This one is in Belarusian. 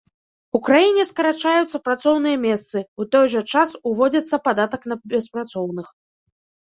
У краіне скарачаюцца працоўныя месцы, у той жа час ўводзіцца падатак на беспрацоўных.